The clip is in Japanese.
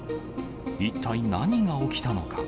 一体何が起きたのか。